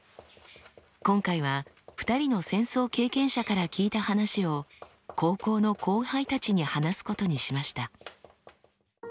今回は２人の戦争経験者から聞いた話を高校の後輩たちに話すことにしました。